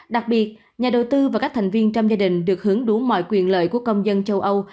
đặc biệt nhà đầu tư và các thành viên trong gia đình được hướng đúng mọi quyền lợi của công dân châu âu